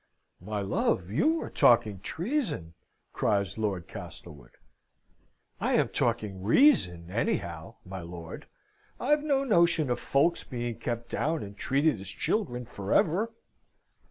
"My love, you are talking treason!" cries Lord Castlewood. "I am talking reason, anyhow, my lord. I've no notion of folks being kept down, and treated as children for ever!"